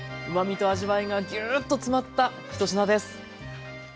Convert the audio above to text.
うまみと味わいがぎゅっと詰まった１品です。